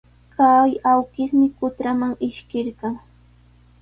Kay awkishmi qutraman ishkirqan.